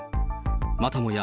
またもや